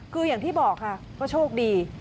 คืออย่างที่บอกค่ะก็โชคดี